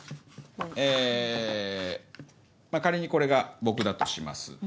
え仮にこれが僕だとします。